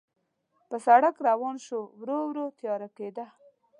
پر سړک روان شوو، ورو ورو تیاره کېده.